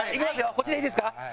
こっちでいいですか？